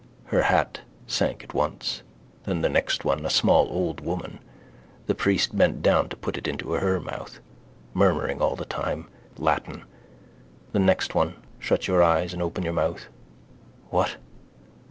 Her hat sank at once. Then the next one: a small old woman. The priest bent down to put it into her mouth, murmuring all the time. Latin. The next one. Shut your eyes and open your mouth. What?